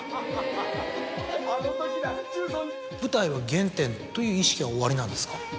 自身も。という意識はおありなんですか？